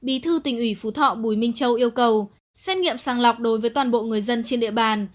bí thư tỉnh ủy phú thọ bùi minh châu yêu cầu xét nghiệm sàng lọc đối với toàn bộ người dân trên địa bàn